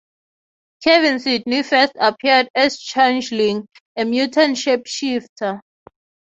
Kevin Sydney first appeared as Changeling, a mutant shapeshifter.